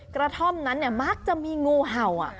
กระท่อมนั้นมักจะมีงูเห่า